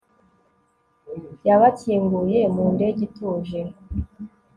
yabakinguye mu ndege ituje